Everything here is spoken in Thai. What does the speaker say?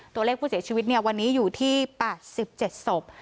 ตัวเลขผู้เสียชีวิตเนี่ยวันนี้อยู่ที่แปดสิบเจ็ดศพ